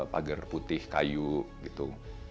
pagar putih kayu gitu